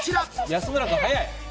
安村君、早い！